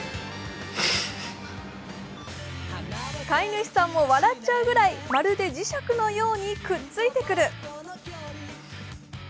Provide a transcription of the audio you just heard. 飼い主さんも笑っちゃうぐらいまるで磁石のようにくっついてくる。